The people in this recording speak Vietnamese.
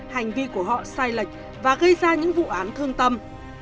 hành vi của họ sai lệch và gây ra những vụ án thương tâm